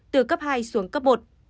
từ cấp hai xuống cấp một